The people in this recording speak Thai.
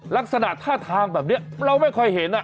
ลักษณะท่าทางแบบนี้เราไม่ค่อยเห็น